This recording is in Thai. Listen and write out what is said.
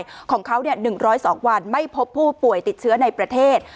ของเขา๑๐๒วันไม่พบผู้ป่วยติดเชื้อในประเทศ